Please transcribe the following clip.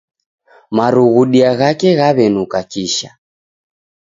Marughudia ghake ghawenuka kisha